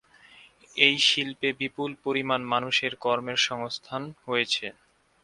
এই শিল্পে বিপুল পরিমাণ মানুষের কর্মের সংস্থান হয়েছে।